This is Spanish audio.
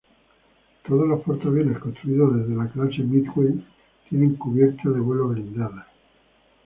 Todos los portaaviones construidos desde la clase Midway tienen cubiertas de vuelo blindadas.